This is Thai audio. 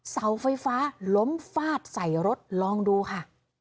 เสาไฟฟ้าล้มฟาดใส่รถลองดูค่ะ